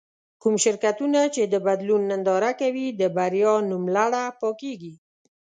کوم شرکتونه چې د بدلون ننداره کوي له بريا نوملړه پاکېږي.